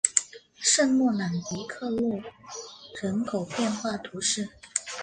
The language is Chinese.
圣洛朗迪克罗人口变化图示